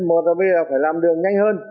một là bây giờ phải làm đường nhanh hơn